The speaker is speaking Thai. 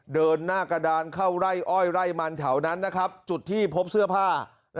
เดินหน้ากระดานเข้าไร่อ้อยไร่มันแถวนั้นนะครับจุดที่พบเสื้อผ้า